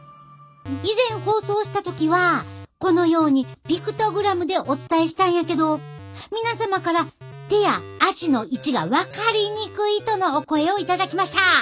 以前放送した時はこのようにピクトグラムでお伝えしたんやけど皆様から手や足の位置が分かりにくいとのお声を頂きました。